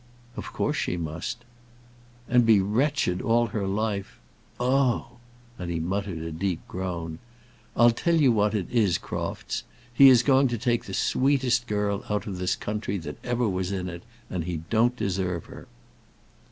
"Of course she must." "And be wretched all her life. Oh h h h!" and he muttered a deep groan. "I'll tell you what it is, Crofts. He is going to take the sweetest girl out of this country that ever was in it, and he don't deserve her."